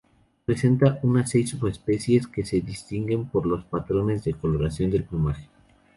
Presenta unas seis subespecies, que se distinguen por los patrones de coloración del plumaje.